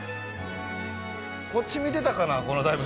こっち見てたかな、この大仏。